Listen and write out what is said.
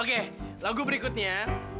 oke lagu berikutnya